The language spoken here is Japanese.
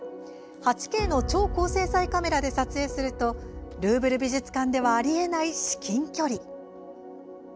８Ｋの超高精細カメラで撮影するとルーブル美術館ではありえない至近距離。